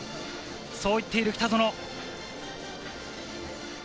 そう言っている北園。